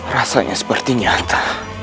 rasanya seperti nyata